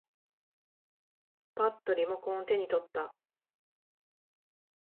ぱっとリモコンを手に取った。